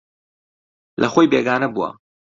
لەخۆی بێگانە بووە